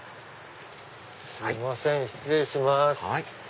すいません失礼します。